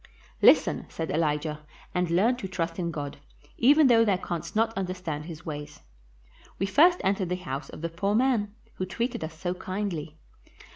"Listen," said Elijah, "and learn to trust in God, even though thou canst not understand his ways. We first entered the house of the poor man, who treated us so kindly.